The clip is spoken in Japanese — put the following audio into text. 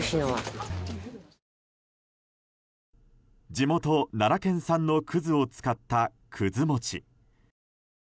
地元・奈良県産の葛を使った葛餅。